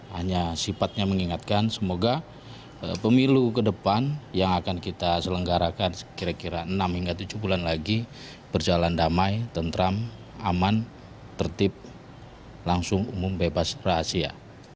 hanya sifatnya mengingatkan semoga pemilu ke depan yang akan kita selenggarakan kira kira enam hingga tujuh bulan lagi berjalan damai tentram aman tertib langsung umum bebas rahasia